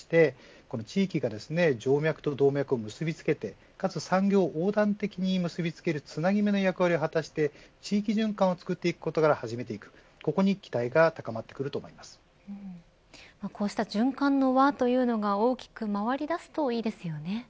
地域が静脈と動脈を結びつけて産業を横断的に結びつけるつなぎ目の役割を果たして地域循環を作っていくことから始めていく、ここにこうした循環の輪というのが大きく回りだすといいですよね。